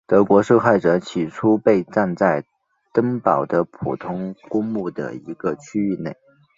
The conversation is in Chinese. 德国受害者起初被葬在登堡的普通公墓的一个区域内。